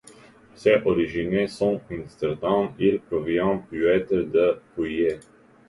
Ses origines sont incertaines, il provient peut-être des Pouilles.